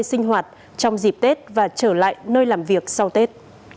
sinh hoạt trong dịp tết và trở lại nơi làm việc sau tết